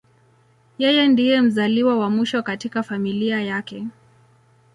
Yeye ndiye mzaliwa wa mwisho katika familia yake.